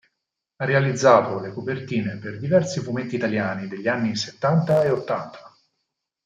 Ha realizzato le copertine per diversi fumetti italiani degli anni settanta e ottanta.